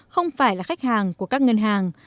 không phải là khách hàng của các ngân hàng